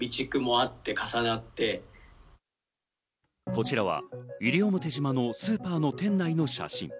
こちらは西表島のスーパーの店内の写真。